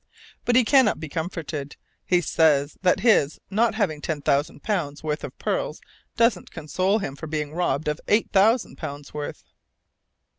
But he cannot be comforted. He says that his not having ten thousand pounds' worth of pearls doesn't console him for being robbed of eight thousand pounds' worth.